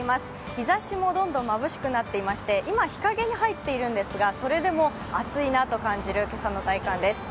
日ざしもどんどんまぶしくなっていまして今、日陰に入っているんですが、それでも暑いなと感じる今朝の体感です。